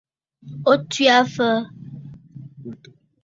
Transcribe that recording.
O tswe aa fa?